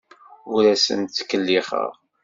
Ur asent-ttkellixeɣ.